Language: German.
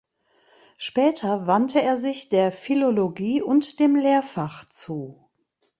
Später wandte er sich der Philologie und dem Lehrfach zu.